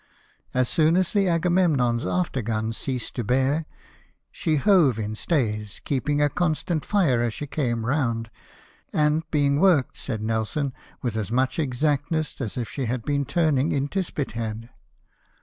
As soon as the Agamevmon's after guns ceased to bear, she hove in stays, keeping a constant fire as she came round ; and being worked, said Nelson, with as much exactness as if she had been turning into Spithead.